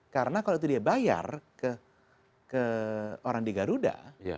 karena kalau itu dia bayar ke orang di garuda